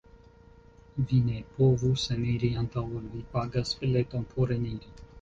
"Vi ne povus eniri antaŭ ol vi pagas bileton por eniri.